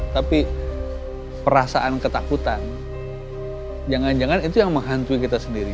tapi perasaan ketakutan jangan jangan itu yang menghantui kita sendiri